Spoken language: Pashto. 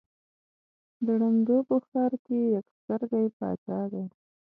د ړندو په ښآر کې يک سترگى باچا دى.